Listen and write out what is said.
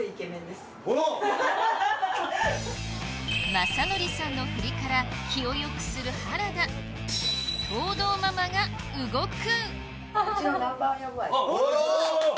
まさのりさんのフリから気をよくする原田藤堂ママが動く！